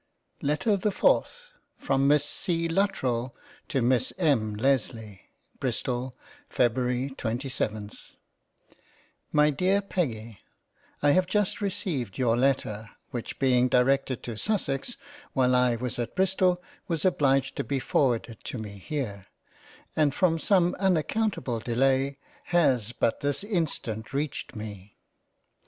L. LETTER the FOURTH From Miss C. LUTTERELL to Miss M. LESLEY Bristol February 27th My dear Peggy I HAVE but just received your letter, which being directed to Sussex while I was at Bristol was obliged to be forwarded to me here, and from some unaccountable Delay, has but this instant reached me —